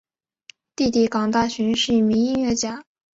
弟弟港大寻是一名音乐家。